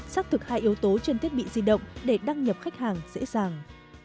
xác thực hai yếu tố trên thiết bị di động để đăng nhập khách hàng dễ dàng